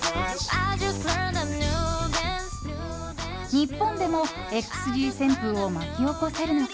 日本でもＸＧ旋風を巻き起こせるのか。